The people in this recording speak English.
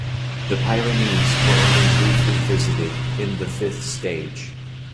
The Pyrenees were only briefly visited, in the fifth stage.